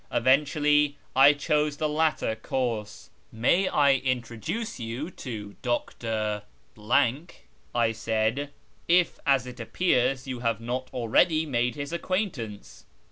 Eventually I chose the latter course. " May I introduce to you Dr. ," I said, " if, as it appears, you have not already made his acquaintance